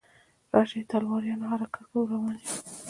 راشئ تلواریانو حرکت کوو روان یو.